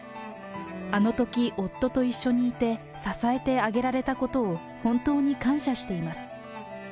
あのとき、夫と一緒にいて支えてあげられたことを本当に感謝しています。